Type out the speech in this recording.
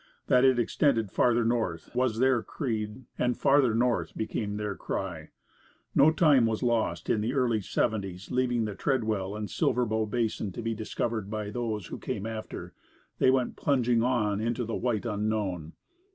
That it extended farther north, was their creed, and "Farther North" became their cry. No time was lost, and in the early seventies, leaving the Treadwell and the Silver Bow Basin to be discovered by those who came after, they went plunging on into the white unknown.